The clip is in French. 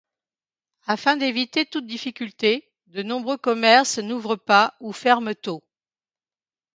Afin d'éviter toute difficulté, de nombreux commerces n'ouvrent pas ou ferment tôt.